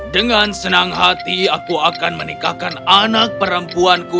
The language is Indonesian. dengan senang hati aku akan menikahkan anak perempuanku